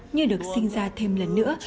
như được sinh ra thêm lần nữa